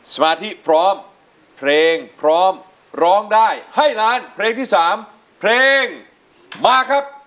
สมาธิพร้อมเพลงพร้อมร้องได้ให้ล้านเพลงที่๓เพลงมาครับ